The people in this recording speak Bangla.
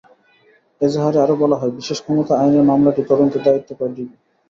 এজাহারে আরও বলা হয়, বিশেষ ক্ষমতা আইনের মামলাটি তদন্তের দায়িত্ব পায় ডিবি।